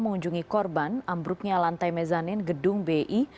mengunjungi korban ambruknya lantai mezanin gedung bi